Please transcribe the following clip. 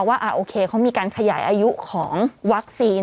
ว่าโอเคเขามีการขยายอายุของวัคซีน